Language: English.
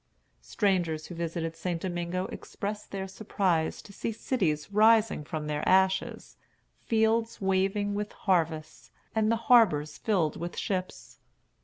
Strangers who visited St. Domingo expressed their surprise to see cities rising from their ashes, fields waving with harvests, and the harbors filled with ships.